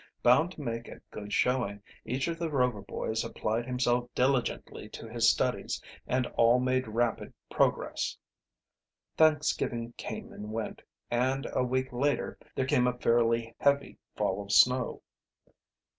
Bound to make a good showing, each of the Rover boys applied himself diligently to his studies, and all made rapid progress. Thanksgiving came and went, and a week later there came a fairly heavy fall of snow.